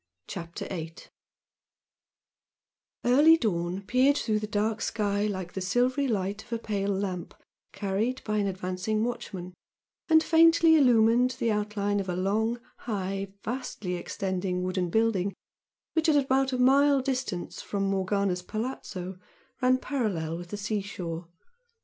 CHAPTER VIII Early dawn peered through the dark sky like the silvery light of a pale lamp carried by an advancing watchman, and faintly illumined the outline of a long, high, vastly extending wooden building which, at about a mile distant from Morgana's "palazzo" ran parallel with the sea shore.